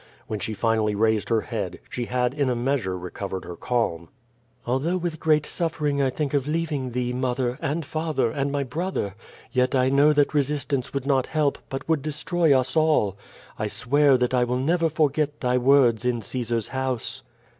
When she Anally raised her head, she had in a measure recovered her calm. "Although with great suffering I think of leaving thee, mother, and father, and my brother, yet I know that resistance would not help but would destroy us all. I swear that I will never forget thy words in Caesar's house.''